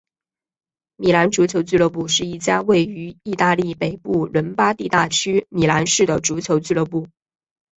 米兰足球俱乐部是一家位于义大利北部伦巴第大区米兰市的足球俱乐部。